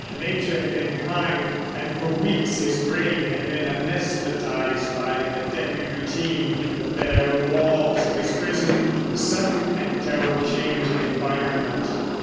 Nature had been kind, and for weeks his brain had been anæsthetised by the deadly routine, the bare walls of his prison, the sudden and terrible change of environment.